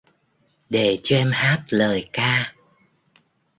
Để cho em hát lời ca